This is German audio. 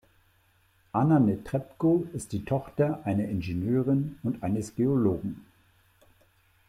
Anna Netrebko ist die Tochter einer Ingenieurin und eines Geologen.